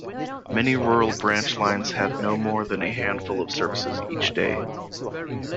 Many rural branch lines had no more than a handful of services each day.